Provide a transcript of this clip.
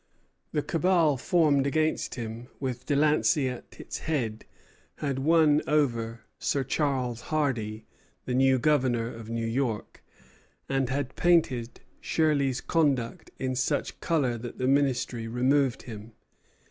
The cabal formed against him, with Delancey at its head, had won over Sir Charles Hardy, the new governor of New York, and had painted Shirley's conduct in such colors that the Ministry removed him.